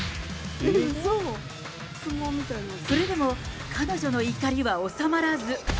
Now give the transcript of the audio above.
それでも、彼女の怒りは収まらず。